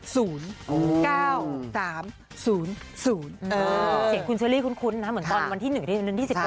เสียงคุณเชลลี่คุ้นนะเหมือนวันที่๑หรือวันที่๑๖